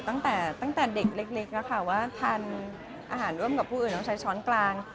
ตั้งแต่เด็กเล็กว่าทานอาหารร่วมกับผู้อื่นต้องใช้ช้อนกลาง